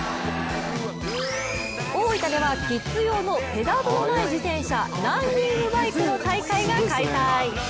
大分では、キッズ用のペダルのない自転車ランニングバイクの大会が開催。